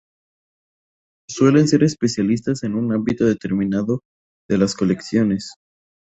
Suelen ser especialistas en un ámbito determinado de las colecciones.